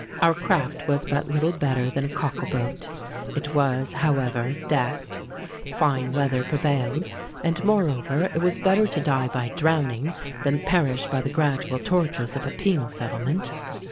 Our craft was but little better than a cockle boat: it was, however, decked; fine weather prevailed; and moreover, it was better to die by drowning than perish by the gradual tortures of a penal settlement.